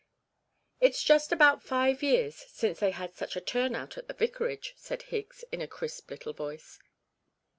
'It's just about five years since they had such a turn out at the vicarage,' said Higgs in a crisp little voice.